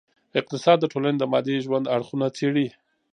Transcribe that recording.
اقتصاد د ټولني د مادي ژوند اړخونه څېړي.